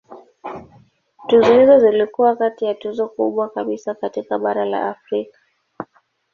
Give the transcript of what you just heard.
Tuzo hizo zilikuwa kati ya tuzo kubwa kabisa katika bara la Afrika.